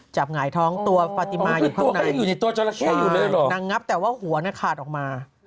จับหงายท้องตัวฟาติมาอยู่ข้างในใช่นางงับแต่ว่าหัวน่ะขาดออกมา